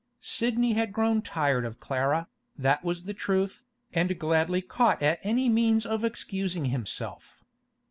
Sidney had grown tired of Clara, that was the truth, and gladly caught at any means of excusing himself.